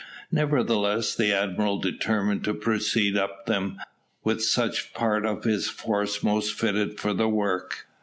Nevertheless the admiral determined to proceed up them with such part of his force most fitted for the work.